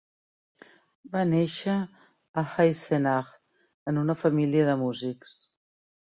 Va néixer a Eisenach, en una família de músics.